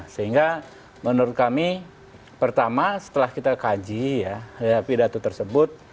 sehingga menurut kami pertama setelah kita kaji ya pidato tersebut